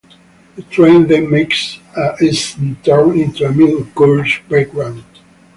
The train then makes a s-turn into a mid-course brake run.